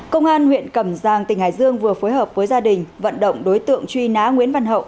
công an huyện cẩm giang tỉnh hải dương vừa phối hợp với gia đình vận động đối tượng truy nã nguyễn văn hậu